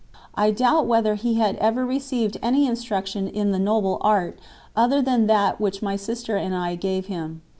I doubt whether he had ever received any instruction in "the noble art" other than that which my sister and I gave him.